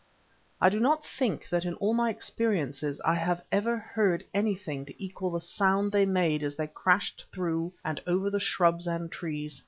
I do not think that in all my experiences I ever heard anything to equal the sound they made as they crashed through and over the shrubs and trees.